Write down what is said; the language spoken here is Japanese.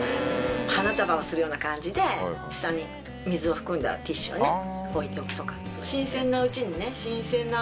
花束をするような感じで下に水を含んだティッシュをね置いておくとか。